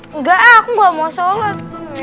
enggak aku gak mau sholat